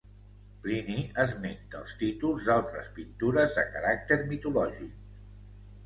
Plini esmenta els títols d'altres pintures de caràcter mitològic.